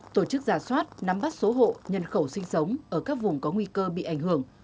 tổ chức giả soát nắm bắt số hộ nhân khẩu sinh sống ở các vùng có nguy cơ bị ảnh hưởng